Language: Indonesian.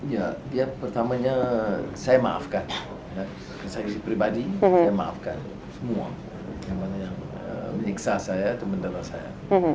ya ya pertamanya saya maafkan saya pribadi saya maafkan semua yang meniksa saya atau mendana saya